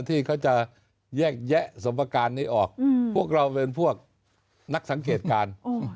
ที่เขาจะแยกแยะสมประการนี้ออกพวกเราเป็นพวกนักสังเกตการ